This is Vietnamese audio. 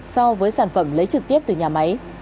so với sản phẩm lấy trực tiếp từ nhà máy